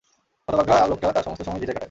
হতভাগ্যা লোকটা তার সমস্ত সময় গির্জায় কাটায়।